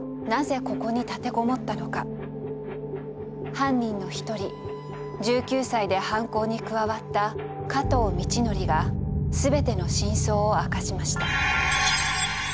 犯人の一人１９歳で犯行に加わった加藤倫教が全ての真相を明かしました。